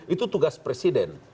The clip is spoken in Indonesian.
itu tugas presiden